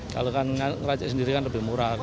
kalau kan ngeracik sendiri kan lebih murah